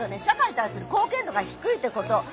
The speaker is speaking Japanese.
社会に対する貢献度が低いってこと。